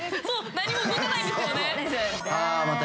何も動かないんですよね。